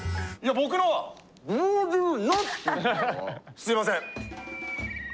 すいません。